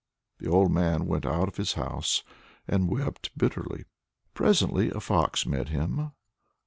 The old man went out of his house and wept bitterly. Presently a fox met him.